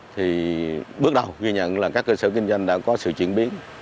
thì bước đầu ghi nhận là các cơ sở kinh doanh đã có sự chuyển biến